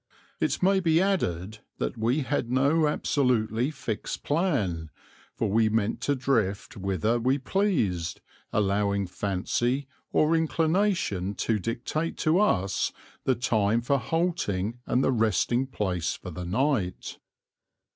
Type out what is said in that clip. It may be added that we had no absolutely fixed plan, for we meant to drift whither we pleased, allowing fancy or inclination to dictate to us the time for halting and the resting place for the night.